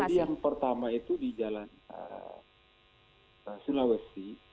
jadi yang pertama itu di jalan sulawesi